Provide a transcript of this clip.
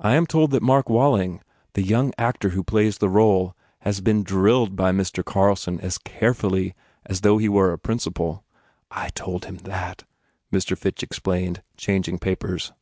I am told that Mark Walling, the young actor who plays the role, has been drilled by Mr. Carlson as carefully as though he were a principal I told him that," Mr. Fitch explained, changing papers.